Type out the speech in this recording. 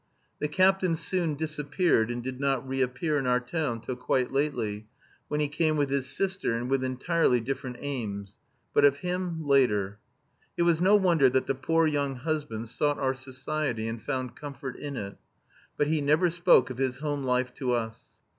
The captain soon disappeared and did not reappear in our town till quite lately, when he came with his sister, and with entirely different aims; but of him later. It was no wonder that the poor young husband sought our society and found comfort in it. But he never spoke of his home life to us.